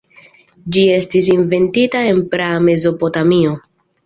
Ĝi estis inventita en praa Mezopotamio.